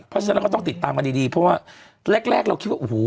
เพราะฉะนั้นเราก็ต้องติดตามกันดีดีเพราะว่าแรกแรกเราคิดว่าโอ้โห